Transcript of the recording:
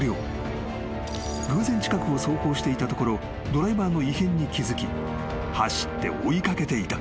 ［偶然近くを走行していたところドライバーの異変に気付き走って追い掛けていた］